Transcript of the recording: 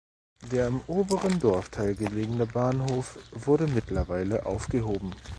Der im oberen Dorfteil gelegene Bahnhof wurde mittlerweile aufgehoben.